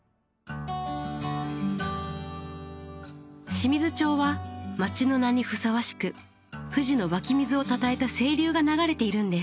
清水町は町の名にふさわしく富士の湧き水をたたえた清流が流れているんです。